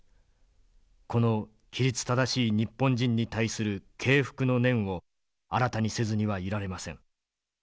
この規律正しい日本人に対する敬服の念を新たにせずにはいられません」。